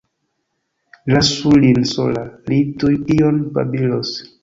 Lasu lin sola, li tuj ion babilos.